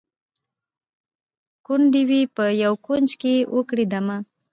ګوندي وي په یوه کونج کي وکړي دمه